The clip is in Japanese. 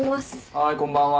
・はいこんばんは。